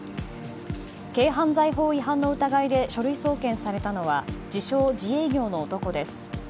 軽犯罪法違反の疑いで書類送検されたのは自称自営業の男です。